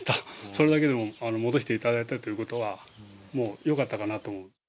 それだけでも戻していただいたってことは、もう、よかったと思う。